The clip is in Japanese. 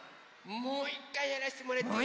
もういっかいやらせてもらっていい？